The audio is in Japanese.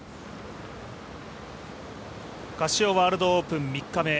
カシオワールドオープン３日目